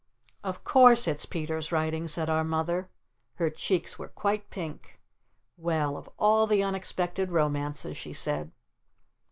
"Of course it's Peter's writing," said our Mother. Her cheeks were quite pink. "Well of all the unexpected romances " she said.